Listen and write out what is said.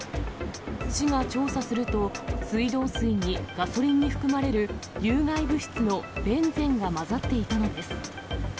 市が調査すると、水道水に、ガソリンに含まれる有害物質のベンゼンが混ざっていたのです。